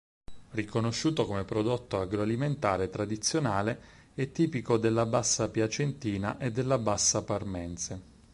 Riconosciuto come Prodotto agroalimentare tradizionale, è tipico della Bassa piacentina e della Bassa parmense.